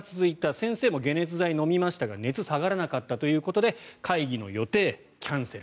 先生も解熱剤を飲みましたが熱が下がらなかったということで会議の予定をキャンセル。